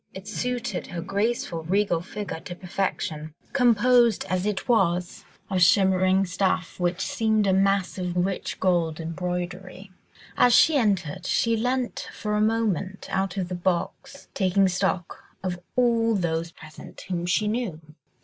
It suited her graceful, regal figure to perfection, composed as it was of shimmering stuff which seemed a mass of rich gold embroidery. As she entered, she leant for a moment out of the box, taking stock of all those present whom she knew.